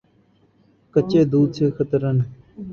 کچے دودھ سے خطرن